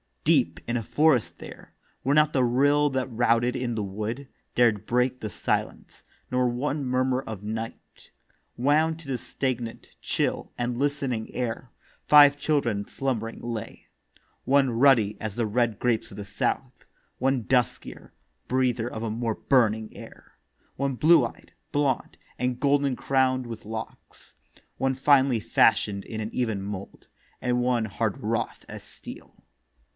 Deep in a forest there, Where not the rill that routed in the wood Dared break the silence, nor one murmur of night Wound to the stagnant, chill, and listening air, Five children slumbering lay. One ruddy as the red grapes of the south; One duskier, breather of more burning air; One blue eyed, blond, and golden crown'd with locks; One finely fashion'd in an even mould; And one hard wrought as steel.